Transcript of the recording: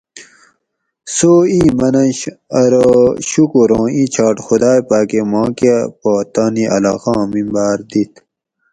سو ایں مننش ارو شُکر اوں ایں چھاٹ خدائ پاکہ ماکہۤ پا تانی علاقاں ممبار دِت